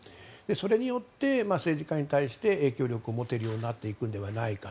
それによって政治家に対して影響力を持てるようになっていくのではないか。